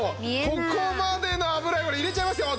ここまでの油汚れ入れちゃいますよ。